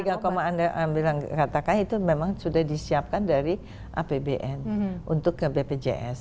tiga anda katakan itu memang sudah disiapkan dari apbn untuk ke bpjs